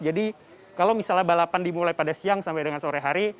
jadi kalau misalnya balapan dimulai pada siang sampai dengan sore hari